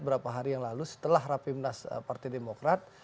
beberapa hari yang lalu setelah rapimnas partai demokrat